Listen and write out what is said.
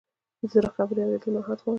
د زړه خبرې اورېدل مهارت غواړي.